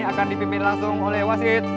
akan dipimpin langsung oleh wasit